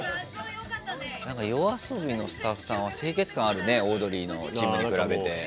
なんかＹＯＡＳＯＢＩのスタッフさんは清潔感あるねオードリーのチームに比べて。